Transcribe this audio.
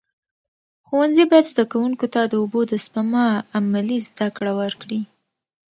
ښوونځي باید زده کوونکو ته د اوبو د سپما عملي زده کړه ورکړي.